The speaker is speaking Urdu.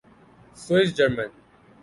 Swiss German